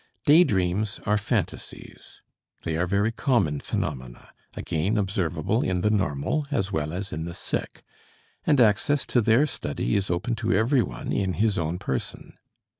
Day dreams are phantasies. They are very common phenomena, again observable in the normal as well as in the sick, and access to their study is open to everyone in his own person.